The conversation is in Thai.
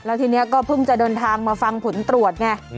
แล้วทีนี้ก็เพิ่งจะเดินทางมาฟังผลตรวจไง